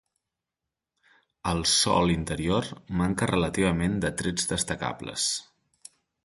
El sòl interior manca relativament de trets destacables.